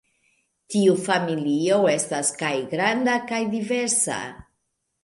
Tiu familio estas kaj granda kaj diversa.